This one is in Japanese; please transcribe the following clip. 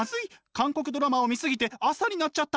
韓国ドラマを見過ぎて朝になっちゃった！